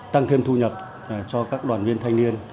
tăng thêm thu nhập cho các đoàn viên thanh niên